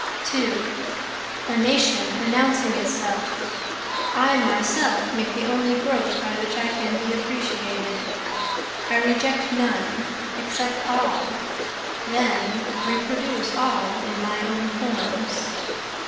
2 A Nation announcing itself, I myself make the only growth by which I can be appreciated, I reject none, accept all, then reproduce all in my own forms.